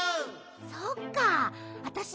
そっかわたし